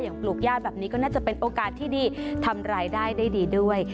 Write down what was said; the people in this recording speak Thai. ปลูกย่าแบบนี้ก็น่าจะเป็นโอกาสที่ดีทำรายได้ได้ดีด้วย